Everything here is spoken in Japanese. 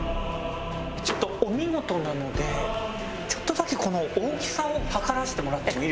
ちょっとお見事なのでちょっとだけこの大きさを測らせてもらってもいいですか？